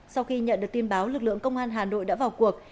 sau khi nhận được tin báo lực lượng công an hà nội đã vào cuộc